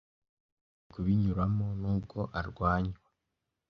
Ngiye kubinyuramo nubwo arwanywa.